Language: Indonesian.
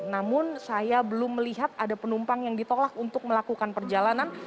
namun saya belum melihat ada penumpang yang ditolak untuk melakukan perjalanan